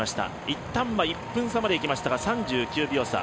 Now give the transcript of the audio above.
いったんは１分差まで行きましたが３９秒差